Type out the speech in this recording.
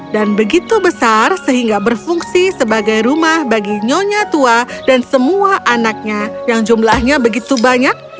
dan begitu besar sehingga berfungsi sebagai rumah bagi nyonya tua dan semua anaknya yang jumlahnya begitu banyak